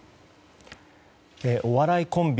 お笑いコンビ